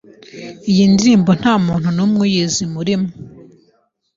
Iyi nindirimbo ntamuntu numwe uyizi murimwe